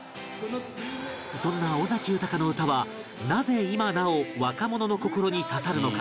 そんな尾崎豊の歌はなぜ今なお若者の心に刺さるのか？